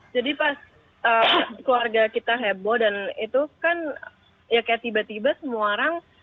jadi pas keluarga kita heboh dan itu kan ya kayak tiba tiba semua orang